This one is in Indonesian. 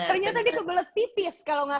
ternyata dikebelet tipis kalau enggak